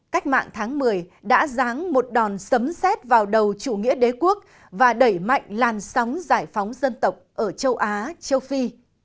cách mạng tháng một mươi đã ráng một đòn sấm xét vào đầu chủ nghĩa đế quốc và đẩy mạnh làn sóng giải phóng dân tộc ở châu á châu phi